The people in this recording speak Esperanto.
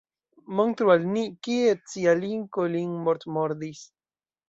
Montru al ni, kie cia linko lin mortmordis?!